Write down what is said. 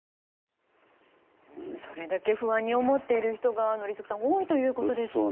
それだけ不安に思っている人が多いということですよね。